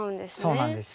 そうなんです。